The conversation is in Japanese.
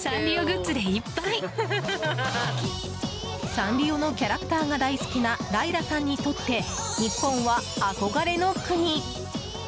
サンリオのキャラクターが大好きなライラさんにとって日本は憧れの国。